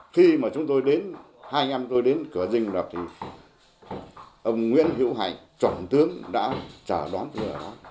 khi mà chúng tôi đến hai anh em tôi đến cửa dinh lập thì ông nguyễn hiễu hạnh trọng tướng đã trả đón tôi ở đó